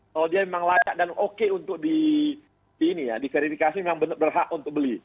kalau dia memang layak dan oke untuk diverifikasi memang berhak untuk beli